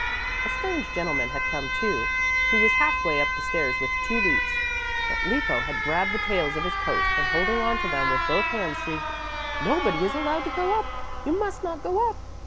A strange gentleman had come, too, who was half way up the stairs with two leaps. But Lippo had grabbed the tails of his coat and, holding on to them with both hands, shrieked, "Nobody is allowed to go up. You must not go up."